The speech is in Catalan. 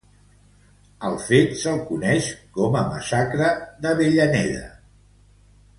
Al fet, se'l coneix com a Massacre d'Avellaneda.